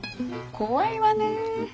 怖いわね。